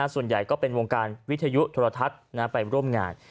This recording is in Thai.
ส่วนใหญ่ก็เป็นวงการวิทยุโทรทัศน์ไปร่วมงาน